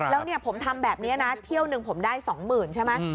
แล้วเนี่ยผมทำแบบนี้นะเที่ยวหนึ่งผมได้๒๐๐๐ใช่ไหม